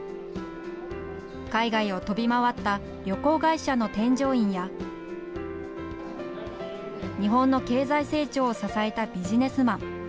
海外を飛び回った旅行会社の添乗員や日本の経済成長を支えたビジネスマン。